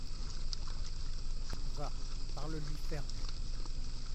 Va, parle-lui ferme.